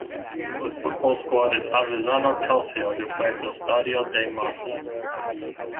The football squad is Avezzano Calcio who play at the Stadio dei Marsi.